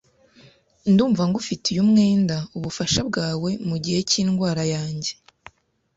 Ndumva ngufitiye umwenda ubufasha bwawe mugihe cyindwara yanjye.